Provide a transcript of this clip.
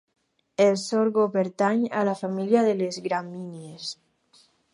El sorgo pertany a la família de les gramínies.